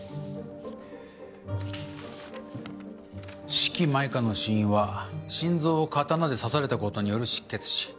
四鬼舞歌の死因は心臓を刀で刺されたことによる失血死。